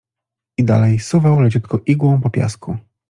I dalej suwał leciutko igłą po piasku.